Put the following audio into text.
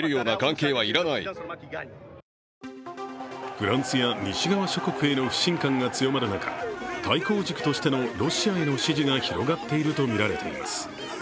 フランスや西側諸国への不信感が強まる中、対抗軸としてのロシアへの支持が広がっているとみられています。